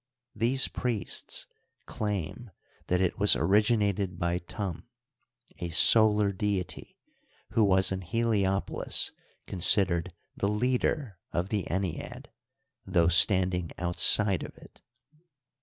^ These priests claim that it was originated by Turn, a solar deity, who was in Heliopolis considered the leader of the ennead, though standing out side of it.